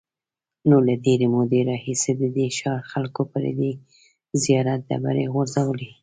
نو له ډېرې مودې راهیسې د دې ښار خلکو پر دې زیارت ډبرې غورځولې.